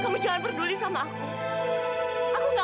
kamu jangan peduli sama aku